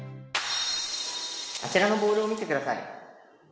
あちらのボールを見てください。